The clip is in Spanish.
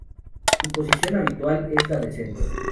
Su posición habitual es la de Centro.